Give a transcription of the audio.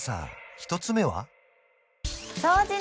１つ目は？